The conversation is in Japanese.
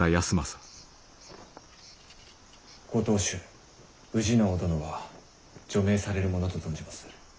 ご当主氏直殿は助命されるものと存じまする。